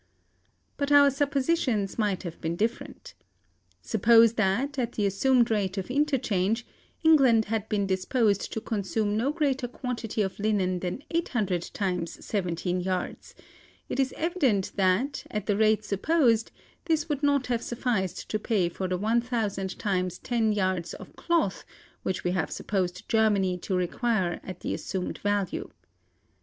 "But our suppositions might have been different. Suppose that, at the assumed rate of interchange, England had been disposed to consume no greater quantity of linen than 800 times seventeen yards; it is evident that, at the rate supposed, this would not have sufficed to pay for the 1,000 times ten yards of cloth which we have supposed Germany to require at the assumed value.